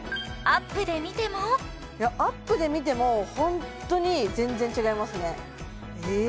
アップで見てもアップで見てもホントに全然違いますねえ！